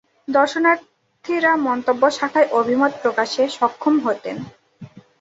দর্শনার্থীরা মন্তব্য শাখায় অভিমত প্রকাশে সক্ষম হতেন।